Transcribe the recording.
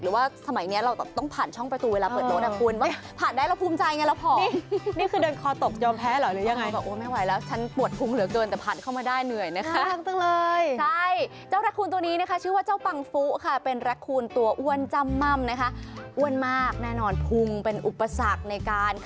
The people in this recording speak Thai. หรือว่าสมัยนี้เราต้องผ่านช่องประตูเวลาเปิดโรงนักภูมิ